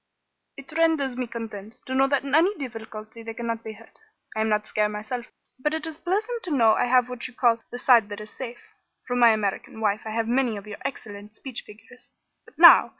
"It renders me content to know that in any difficulty they cannot be hurt. I am not scare, myself, but it is pleasant to know I have what you call the side that is safe. From my American wife I have many of your excellent speech figures. But now!